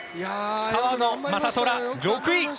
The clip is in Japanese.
川野将虎、６位。